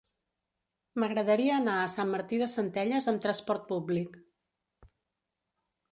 M'agradaria anar a Sant Martí de Centelles amb trasport públic.